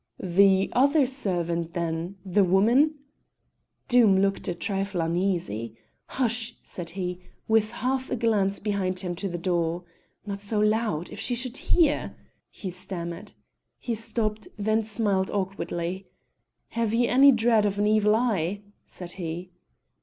"The other servant then the woman?" Doom looked a trifle uneasy. "Hush!" said he, with half a glance behind him to the door. "Not so loud. If she should hear!" he stammered: he stopped, then smiled awkwardly. "Have ye any dread of an Evil Eye?" said he.